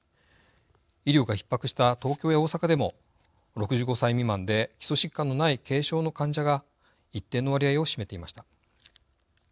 医療がひっ迫した東京や大阪でも６５歳未満で基礎疾患のない軽症の患者が一定の割合を占めていました。